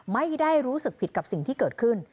ไม่ได้รู้สึกผิดกับสิ่งที่เกิดขึ้น